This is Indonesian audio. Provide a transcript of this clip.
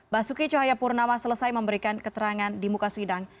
basuki cahayapurnama selesai memberikan keterangan di muka sidang